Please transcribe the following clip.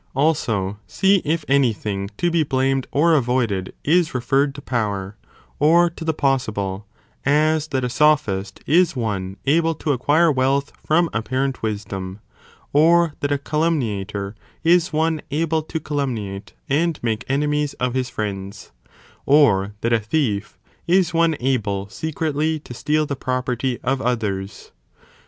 Also, see if any thing to be blamed or avoided is 4, 6, in re referred to power or to the possible, as that a soph ferring a failing ist (is one able to acquire wealth from apparent '°° *°™Y wisdom), or that a calumniator (is one able to calumniate and make enemies of his friends), or that a thief is one able secretly to steal the property of others.